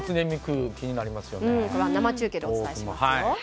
生中継でお伝えします。